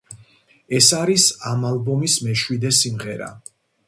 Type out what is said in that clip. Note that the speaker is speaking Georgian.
ეს არის ამ ალბომის მეშვიდე სიმღერა.